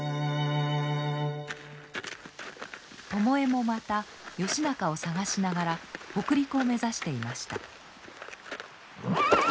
巴もまた義仲を捜しながら北陸を目指していました。